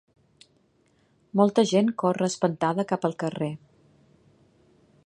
Molta gent corre espantada cap al carrer.